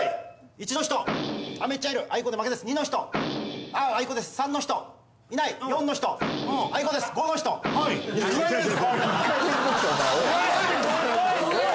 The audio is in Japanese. １の人めっちゃいるあいこで負けです２の人あいこです３の人いない４の人あいこです５の人２回目です